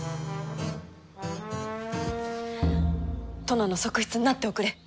殿の側室になっておくれ。